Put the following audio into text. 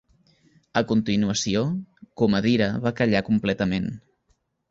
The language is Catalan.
A continuació, Comadira va callar completament.